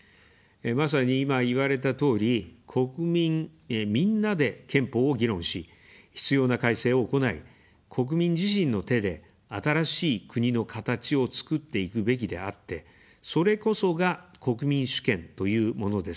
まさに今、言われたとおり、国民みんなで憲法を議論し、必要な改正を行い、国民自身の手で新しい「国のかたち」をつくっていくべきであって、それこそが、国民主権というものです。